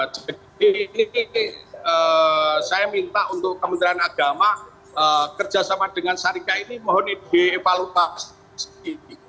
jadi saya minta untuk kementerian agama kerjasama dengan syarikat ini mohon di evaluasi